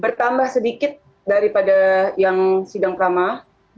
bertambah sedikit daripada yang sidang pramah